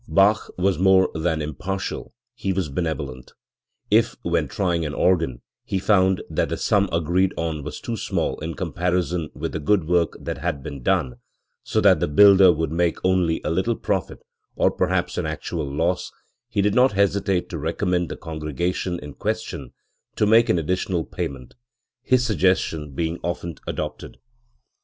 Bach was more than impartial: he was benevolent. If, when trying an organ, he found that the sum agreed on was too small in comparison with the good work that had been done, so that the builder would make only a little profit or perhaps an actual loss, he did not hesitate to recommend the congregation in question to make an additional payment, his suggestion being often adopted*.